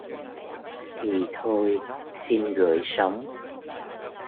Thì thôi xin gửi sóng